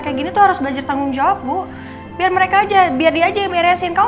kayak gini tuh harus belajar tanggung jawab bu biar mereka aja biar dia aja yang beresin kamu